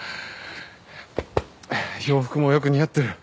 洋服もよく似合ってる。